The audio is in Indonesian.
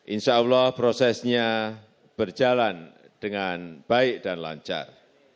insyaallah prosesnya berjalan dengan baik dan lancar